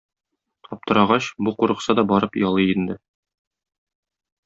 Аптырагач, бу курыкса да барып ялый инде.